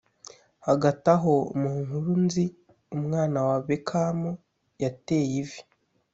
Hagati aho mu nkuru nzi umwana wa bekamu yateye ivi